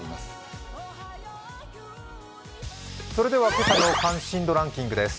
今朝の関心度ランキングです。